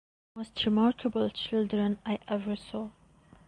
Most remarkable children I ever saw.